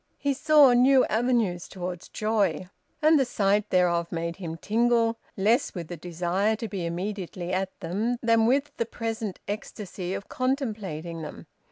He saw new avenues toward joy, and the sight thereof made him tingle, less with the desire to be immediately at them than with the present ecstasy of contemplating them.